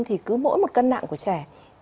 thì cứ mỗi một cân nặng của trẻ